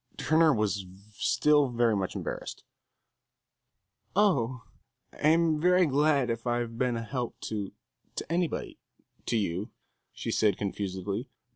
Turner was still very much embarrassed. "Oh, I'm very glad if I've been a help to to anybody to you," she said, confusedly.